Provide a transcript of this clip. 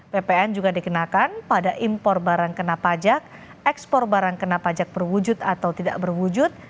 ppn juga dikenakan pada impor barang kena pajak ekspor barang kena pajak berwujud atau tidak berwujud